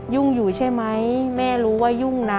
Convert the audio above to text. ยุ่งอยู่ใช่ไหมแม่รู้ว่ายุ่งนะ